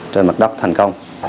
trên mặt đất thành công